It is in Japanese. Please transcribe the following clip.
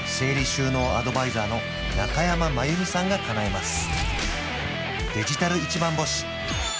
収納アドバイザーの中山真由美さんがかなえます